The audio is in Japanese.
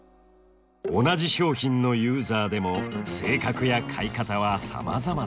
同じ商品のユーザーでも性格や買い方はさまざまですよね。